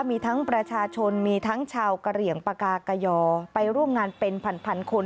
มีทั้งประชาชนมีทั้งชาวกะเหลี่ยงปากากยอไปร่วมงานเป็นพันคน